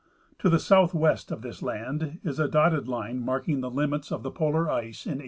To the southAvest of this land is a dotted line marking the limits of the polar ice in 1849.